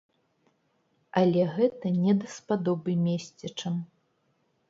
Але гэта не даспадобы месцічам.